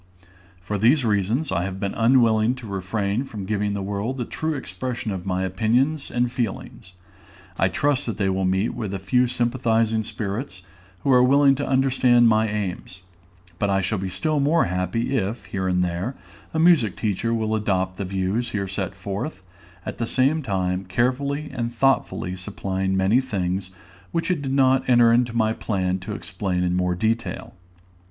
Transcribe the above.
For these reasons, I have been unwilling to refrain from giving to the world a true expression of my opinions and feelings. I trust they will meet with a few sympathizing spirits who are willing to understand my aims; but I shall be still more happy if, here and there, a music teacher will adopt the views here set forth, at the same time carefully and thoughtfully supplying many things which it did not enter into my plan to explain more in detail.